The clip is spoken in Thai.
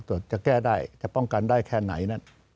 จะแก้ได้จะป้องกันได้แค่ไหน